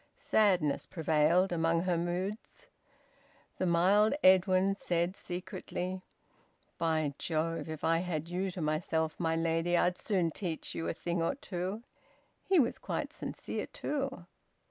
Sadness prevailed among her moods. The mild Edwin said secretly: "By Jove! If I had you to myself, my lady, I'd soon teach you a thing or two!" He was quite sincere, too.